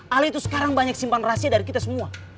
ahli itu sekarang banyak simpan rahasia dari kita semua